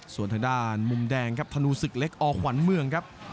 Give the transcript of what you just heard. ส่วนทางด้านมุมแดงครับธนูศึกเล็กอขวัญเมืองครับ